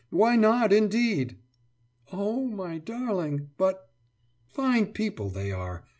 Why not, indeed?« »Oh, my darling. But....« »Fine people, they are!